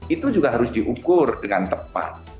itu juga harus diukur dengan tepat